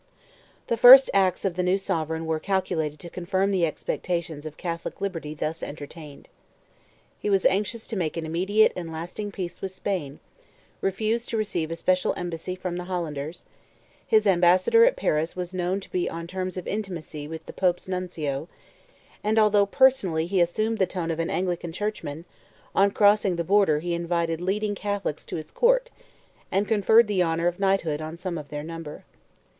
The first acts of the new sovereign were calculated to confirm the expectations of Catholic liberty thus entertained. He was anxious to make an immediate and lasting peace with Spain; refused to receive a special embassy from the Hollanders; his ambassador at Paris was known to be on terms of intimacy with the Pope's Nuncio; and although personally he assumed the tone of an Anglican Churchman, on crossing the border he had invited leading Catholics to his Court, and conferred the honour of Knighthood on some of their number.